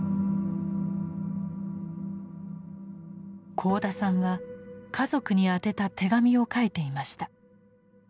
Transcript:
幸田さんは家族に宛てた手紙を書いていました。